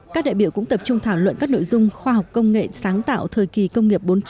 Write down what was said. các đại biểu cũng tập trung thảo luận các nội dung khoa học công nghệ sáng tạo thời kỳ công nghiệp bốn